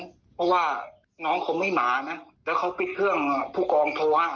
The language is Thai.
เพราะว่าน้องคงไม่หมานะแล้วเขาปิดเครื่องผู้กองภาวะ